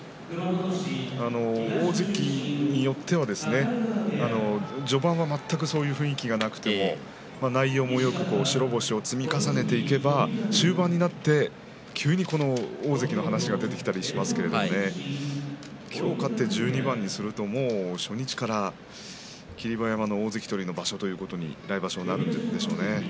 大関によっては序盤は全くそういう雰囲気がなくても白星を積み重ねていけば中盤になって急に大関の話が出てきたりしますけれども今日、勝って１２番にするともう初日から霧馬山の大関取りの場所ということに来場所はなるでしょうね。